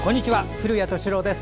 古谷敏郎です。